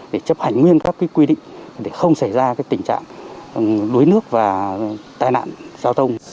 để chấp hành nguyên các quy định để không xảy ra tình trạng đuối nước và tai nạn giao thông